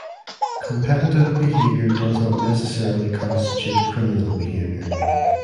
Competitive behavior does not necessarily constitute criminal behavior.